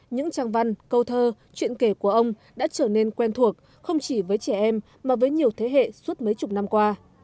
những trang văn câu thơ chuyện kể của ông đã trở nên quen thuộc không chỉ với trẻ em mà với nhiều thế hệ suốt mấy chục năm qua